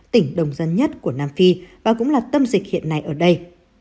tỉnh đồng dân nhất của nam phi và cũng là tâm dịch hiện nay ở đây